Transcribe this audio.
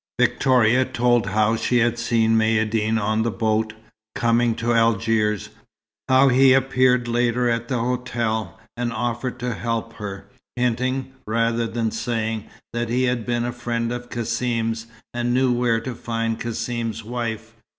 Victoria told how she had seen Maïeddine on the boat, coming to Algiers; how he had appeared later at the hotel, and offered to help her, hinting, rather than saying, that he had been a friend of Cassim's, and knew where to find Cassim's wife.